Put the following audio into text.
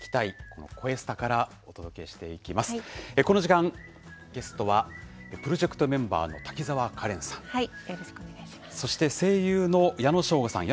この時間、ゲストはプロジェクトメンバーの滝沢カレンさんそして、声優の矢野奨吾さん。